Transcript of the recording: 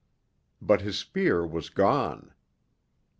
But his spear was gone.